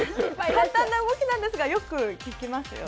簡単な動きなんですが、よく効きますよね。